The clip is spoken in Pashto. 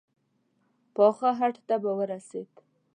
پاخه هډ ته به ورسېد.